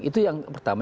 itu yang pertama